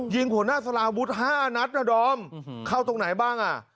ยิงผู้หญ้าสลาวุฒิห้านัดนะดอมเข้าตรงไหนบ้างอ่ะ